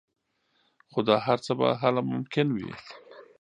خو دا هر څه به هله ممکن وي